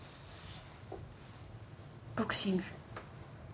ボクシング。